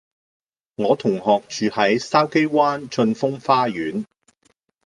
我同學住喺筲箕灣峻峰花園